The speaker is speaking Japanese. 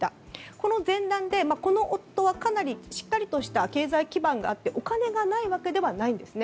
この前段で、この夫はしっかりとした経済基盤があってお金がないわけでないんですね。